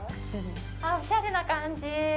あっ、おしゃれな感じ。